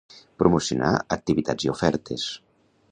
Promocionar activitats i ofertes